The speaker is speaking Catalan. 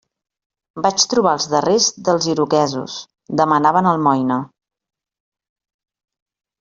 Vaig trobar els darrers dels iroquesos: demanaven almoina.